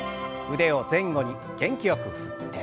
腕を前後に元気よく振って。